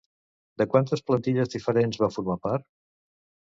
De quantes plantilles diferents va formar part?